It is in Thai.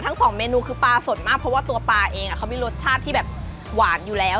สองเมนูคือปลาสดมากเพราะว่าตัวปลาเองเขามีรสชาติที่แบบหวานอยู่แล้ว